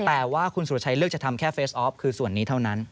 แต่ว่าคุณสุรชัยเลือกจะทำแค่เฟสออฟคือส่วนนี้เท่านั้น